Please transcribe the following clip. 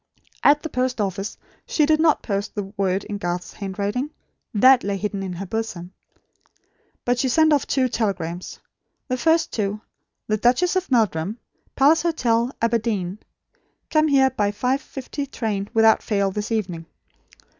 At the post office she did not post the word in Garth's handwriting. That lay hidden in her bosom. But she sent off two telegrams. The first to The Duchess of Meldyum, Palace Hotel, Aberdeen. "Come here by 5.50 train without fail this evening."